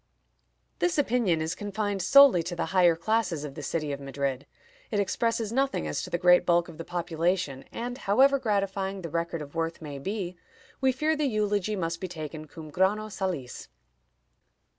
" This opinion is confined solely to the higher classes of the city of Madrid. It expresses nothing as to the great bulk of the population, and, however gratifying the record of worth may be, we fear the eulogy must be taken cum grano salis.